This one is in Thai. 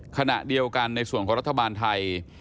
ขณะเดียวกันในส่วนของรัฐบาลไทย